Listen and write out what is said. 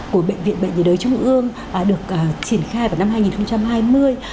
của bệnh viện bệnh nhiệt đới trung ương được triển khai vào năm hai nghìn hai mươi